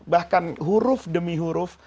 bahkan huruf demi huruf